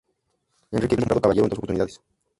Enrique V fue nombrado caballero en dos oportunidades.